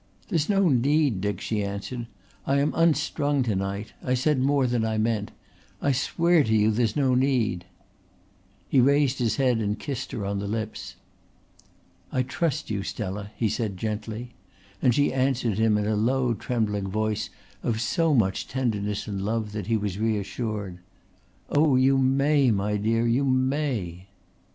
"There's no need, Dick," she answered. "I am unstrung to night. I said more than I meant. I swear to you there's no need." He raised her head and kissed her on the lips. "I trust you, Stella," he said gently; and she answered him in a low trembling voice of so much tenderness and love that he was reassured. "Oh, you may, my dear, you may."